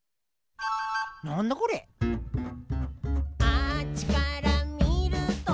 「あっちからみると」